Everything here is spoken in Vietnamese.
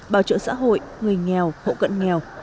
bảo trợ xã hội người nghèo hộ cận nghèo